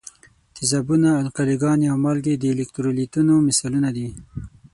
تیزابونه، القلي ګانې او مالګې د الکترولیتونو مثالونه دي.